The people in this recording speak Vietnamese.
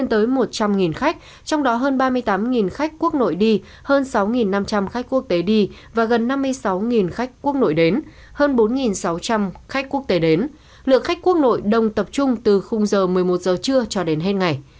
lượng khách quốc nội đông tập trung từ khung giờ một mươi một giờ trưa cho đến hết ngày